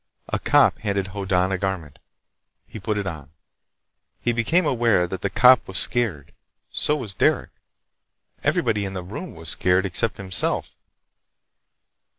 A cop handed Hoddan a garment. He put it on. He became aware that the cop was scared. So was Derec. Everybody in the room was scared except himself.